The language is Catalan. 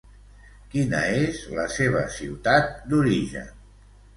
Quina és la seva ciutat d'origen?